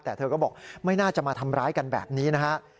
แต่เธอก็บอกไม่น่าจะมาทำร้ายกันแบบนี้นะฮะ